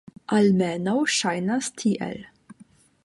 Almenaŭ ŝajnas tiel.